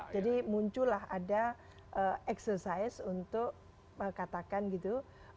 jadi muncullah ada eksersais untuk mengatakan gitu